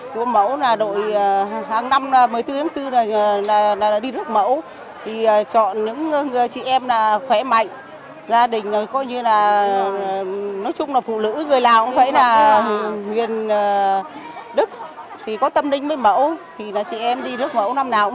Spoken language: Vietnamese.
chúng tôi được rước trên kiểu mẫu của mẫu là đội hàng năm một mươi bốn tháng bốn là đi rước mẫu